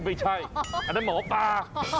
ไม่ใช่อันนั้นหมอปลา